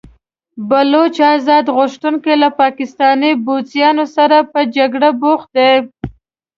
بلوڅ ازادي غوښتونکي له پاکستاني پوځیانو سره په جګړه بوخت دي.